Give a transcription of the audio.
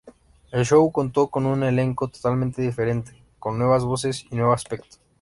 El show contó con un elenco totalmente diferente, con nuevas voces y nuevo aspecto.